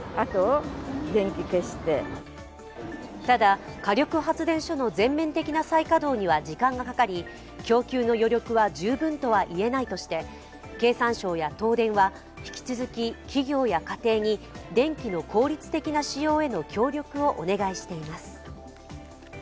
ただ、火力発電所の全面的な再稼働には時間がかかり供給の余力は十分とはいえないとして経産省や東電は引き続き企業や家庭に電気の効率的な使用への協力をお願いしています。